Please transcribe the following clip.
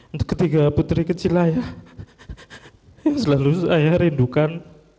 untuk ketiga putri kecil saya yang selalu saya rindukan